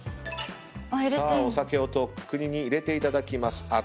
さあお酒をとっくりに入れていただきます。